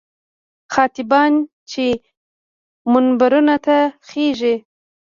خطیبان چې منبرونو ته خېژي.